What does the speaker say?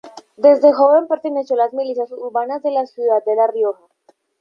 Desde joven perteneció a las milicias urbanas en la ciudad de La Rioja.